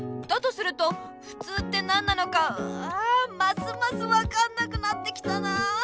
するとふつうって何なのかあますます分かんなくなってきたなあ。